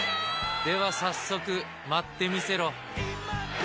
では早速、舞ってみせろ。